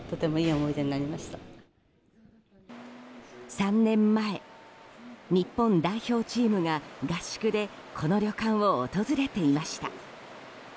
３年前、日本代表チームが合宿でこの旅館を訪れていました。